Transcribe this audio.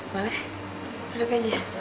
boleh duduk aja